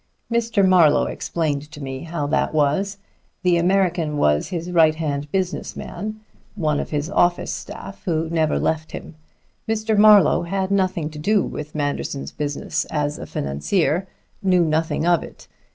"Mr. Marlowe explained to me how that was. The American was his right hand business man, one of his office staff, who never left him. Mr. Marlowe had nothing to do with Manderson's business as a financier, knew nothing of it.